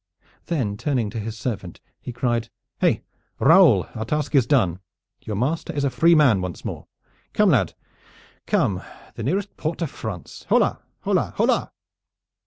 Then turning to his servant he cried: "Heh, Raoul, our task is done! Your master is a free man once more. Come, lad, come, the nearest port to France! Hola! Hola! Hola!"